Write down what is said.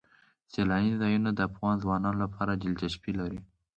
سیلانی ځایونه د افغان ځوانانو لپاره دلچسپي لري.